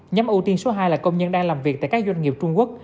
nhóm ưu tiên số hai là công nhân đang làm việc tại các doanh nghiệp trung quốc